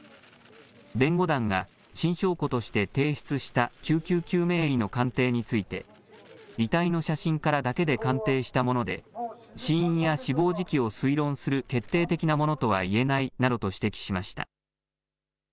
弁護団が新証拠として提出した救急救命医の鑑定について、遺体の写真からだけで鑑定したもので、死因や死亡時期を推論する決定的なものとはいえないなどと指摘しました。